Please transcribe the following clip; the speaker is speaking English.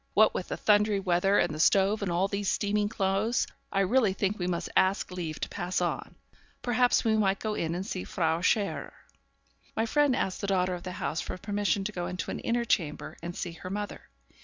What with the thundery weather, and the stove, and all these steaming clothes, I really think we must ask leave to pass on. Perhaps we might go in and see Frau Scherer.' My friend asked the daughter of the house for permission to go into an inner chamber and see her mother.